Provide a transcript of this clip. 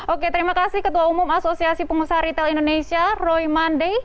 oke terima kasih ketua umum asosiasi pengusaha retail indonesia roy mandey